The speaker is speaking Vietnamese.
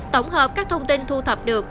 tổng hợp các thông tin thu thập được